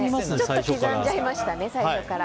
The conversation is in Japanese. ちょっと刻んじゃいましたね最初から。